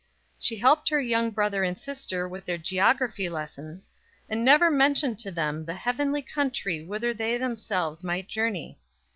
She helped her young brother and sister with their geography lessons, and never mentioned to them the heavenly country whither they themselves might journey.